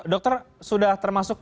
dokter sudah termasuk